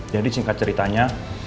jadi singkat ceritanya